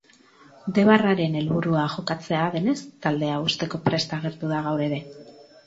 Debarraren helburua jokatzea denez taldea uzteko prest agertu da gaur ere.